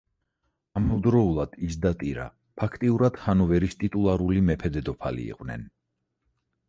ამავდროულად, ის და ტირა, ფაქტიურად ჰანოვერის ტიტულარული მეფე-დედოფალი იყვნენ.